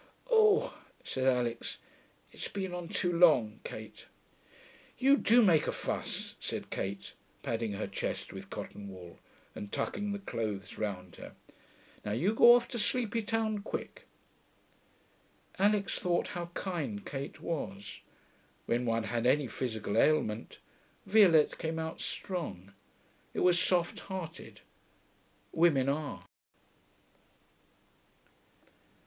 'Oo,' said Alix. 'It's been on too long, Kate.' 'You do make a fuss,' said Kate, padding her chest with cotton wool and tucking the clothes round her. 'Now you go off to Sleepy Town quick.' Alix thought how kind Kate was. When one had any physical ailment, Violette came out strong. It was soft hearted. Women are.